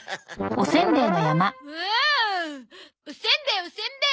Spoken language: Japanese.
おせんべいおせんべい！